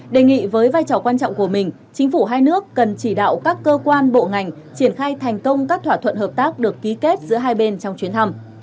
đề nghị với vai trò quan trọng của mình chính phủ hai nước cần chỉ đạo các cơ quan bộ ngành triển khai thành công các thỏa thuận hợp tác được ký kết giữa hai bên trong chuyến thăm